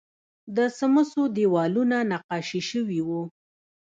د سمڅو دیوالونه نقاشي شوي وو